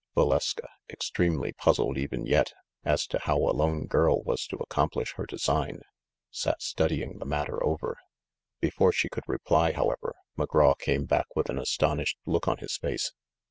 Valeska, extremely puzzled even yet as to how a 62 THE MASTER OF MYSTERIES lone girl was to accomplish her design, sat studying the matter over. Before she could reply, however, McGraw came back with an astonished look on his face.